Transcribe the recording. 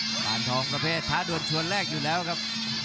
ผ่านทองประเภทท้าด่วนชวนแรกอยู่แล้วครับ